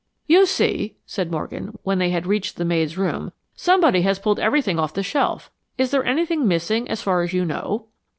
"You see," said Morgan, when they had reached the maid's room, "somebody has pulled everything off the shelf. Is there anything missing as far as you know?"